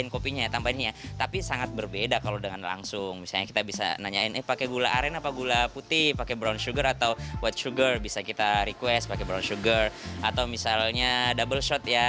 kita request pakai brown sugar atau misalnya double shot ya